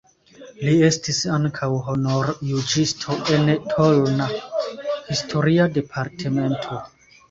Li estis ankaŭ honorjuĝisto en Tolna (historia departemento).